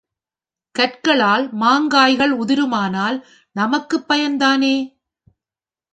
கற்களால் மாங்காய்கள் உதிருமானால் நமக்குப் பயன்தானே?